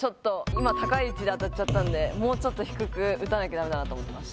今高い位置で当たっちゃったんでもうちょっと低く打たなきゃダメだなと思ってます